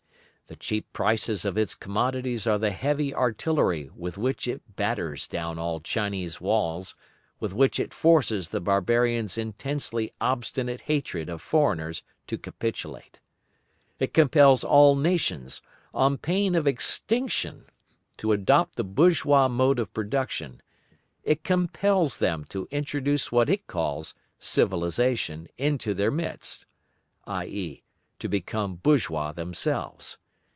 The cheap prices of its commodities are the heavy artillery with which it batters down all Chinese walls, with which it forces the barbarians' intensely obstinate hatred of foreigners to capitulate. It compels all nations, on pain of extinction, to adopt the bourgeois mode of production; it compels them to introduce what it calls civilisation into their midst, i.e., to become bourgeois themselves.